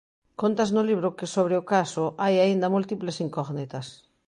Contas no libro que sobre o caso hai aínda múltiples incógnitas.